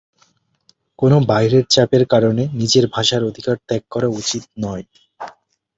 কোন বাইরের চাপের কারণে নিজের ভাষার অধিকার ত্যাগ করা উচিত নয়।